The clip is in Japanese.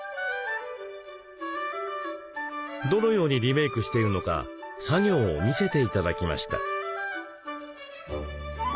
どのようにリメイクしているのか作業を見せて頂きました。